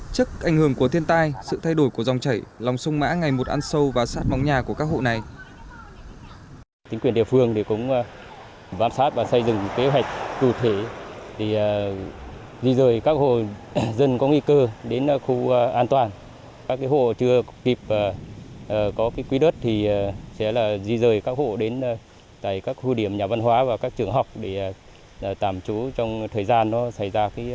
trước ảnh hưởng của thiên tai sự thay đổi của dòng chạy lòng sông mã ngày một ăn sâu và sát móng nhà của các hộ này